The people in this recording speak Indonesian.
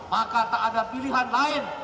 maka tak ada pilihan lain